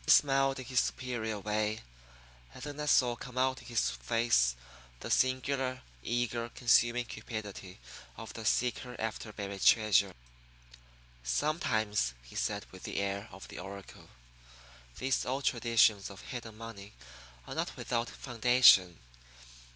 He smiled in his superior way; and then I saw come out in his face the singular, eager, consuming cupidity of the seeker after buried treasure. "Sometimes," he said with the air of the oracle, "these old traditions of hidden money are not without foundation.